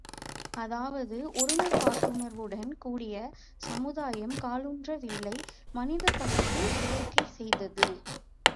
அதாவது ஒருமைப்பாட்டுணர்வுடன் கூடிய சமுதாயம் காலூன்றவில்லை மனிதப்படைப்பு இயற்கை செய்தது!